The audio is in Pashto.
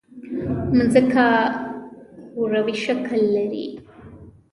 ځمکه کوروي شکل لري